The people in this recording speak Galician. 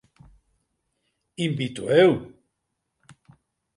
Invito eu…